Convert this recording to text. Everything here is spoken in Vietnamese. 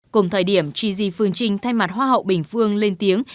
cùng thời điểm ch di phương trinh thay mặt hoa hậu bình phương lên tiếng